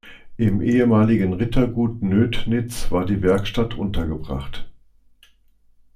Im ehemaligen Rittergut Nöthnitz war die Werkstatt untergebracht.